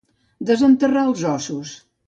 Desenterrar els ossos.